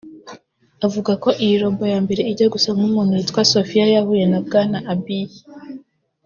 avuga ko iyi Robot ya mbere ijya gusa n’umuntu yitwa Sophia yahuye na Bwana Abiy